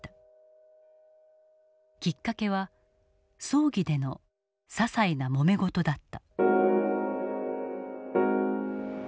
きっかけは葬儀でのささいなもめ事だった。